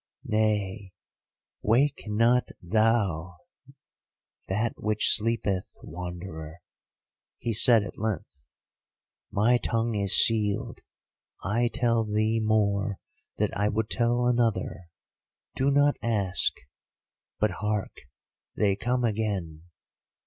"Nay, wake not thou That which sleepeth, Wanderer," he said, at length. "My tongue is sealed. I tell thee more than I would tell another. Do not ask,—but hark! They come again!